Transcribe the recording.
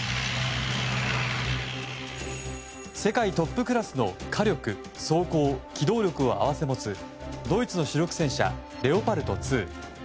世界トップクラスの火力装甲、機動力を併せ持つドイツの主力戦車レオパルト２。